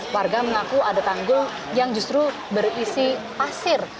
warga mengaku ada tanggul yang justru berisi pasir